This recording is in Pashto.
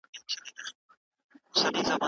د قلم او کتاب مینه په زړونو کي پیدا کړئ.